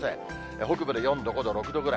北部で４度、５度、６度ぐらい。